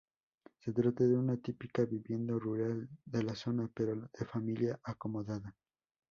Se trata de una típica vivienda rural de la zona, pero de familia acomodada.